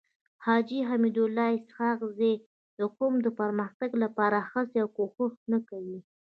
حاجي حميدالله اسحق زی د قوم د پرمختګ لپاره هڅي او کوښښونه کوي.